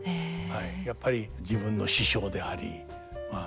やっぱり自分の師匠でありまあ